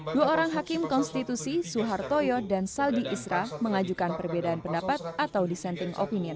dua orang hakim konstitusi suhartoyo dan saldi isra mengajukan perbedaan pendapat atau dissenting opinion